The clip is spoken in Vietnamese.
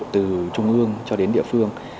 từ trung ương cho đến địa phương